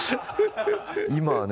今はね